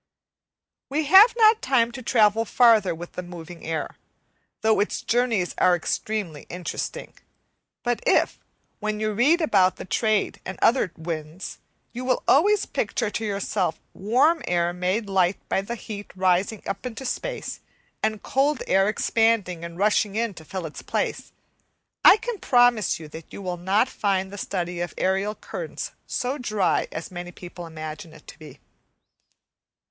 We have not time to travel farther with the moving air, though its journeys are extremely interesting; but if, when you read about the trade and other winds, you will always picture to yourselves warm air made light by the heat rising up into space and cold air expanding and rushing in to fill its place, I can promise you that you will not find the study of aerial currents so dry as many people imagine it to be.